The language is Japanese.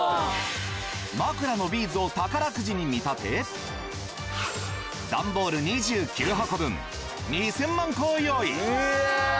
枕のビーズを宝くじに見立て段ボール２９箱分２０００万個を用意。